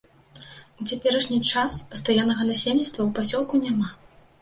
У цяперашні час пастаяннага насельніцтва ў пасёлку няма.